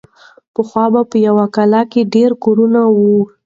پخوا به په یوه کلا کې ډېر کورونه وو.